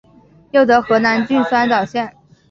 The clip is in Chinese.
又得河南郡酸枣县。